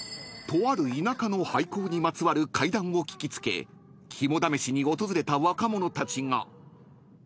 ［とある田舎の廃校にまつわる怪談を聞き付け肝試しに訪れた若者たちが］